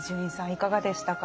いかがでしたか？